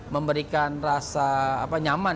memberikan rasa nyaman